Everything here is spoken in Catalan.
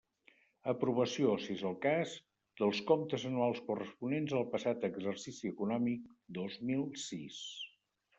Aprovació, si és el cas, dels comptes anuals corresponents al passat exercici econòmic, dos mil sis.